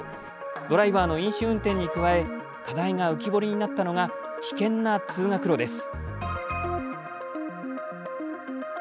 ドライバーの飲酒運転に加え課題が浮き彫りになったのが危険な通学路です。